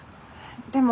でも。